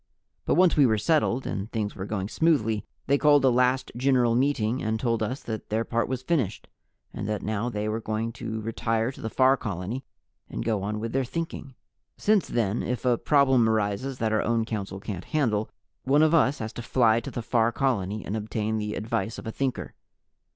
But once we were settled and things were going smoothly, they called a last General Meeting and told us that their part was finished, and that now they were going to retire to the Far Colony and go on with their Thinking. Since then, if a problem arises that our own Council can't handle, one of us has to fly to the Far Colony and obtain the advice of a Thinker.